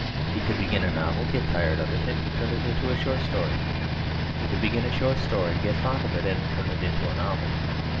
He could begin a novel, get tired of it, and turn it into a short story. He could begin a short story, get fond of it, and turn it into a novel.